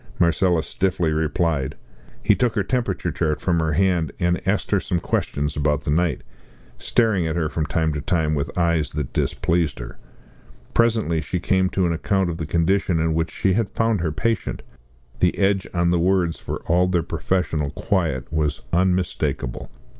Marcella stiffly replied. He took her temperature chart from her hand and asked her some questions about the night, staring at her from time to time with eyes that displeased her. Presently she came to an account of the condition in which she had found her patient. The edge on the words, for all their professional quiet, was unmistakable.